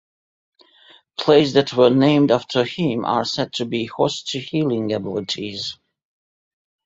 Places that were named after him are said to be host to healing abilities.